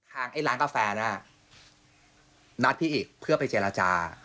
ไอ้ร้านกาแฟนะนัดพี่อีกเพื่อไปเจรจา